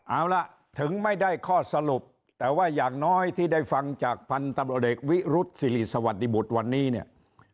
เอาล่ะถึงไม่ได้ข้อสรุปแต่ว่าอย่างน้อยที่ได้ฟังจากพันธุ์ตำรวจเอกวิรุษศิริสวัสดิบุตรวันนี้เนี่ย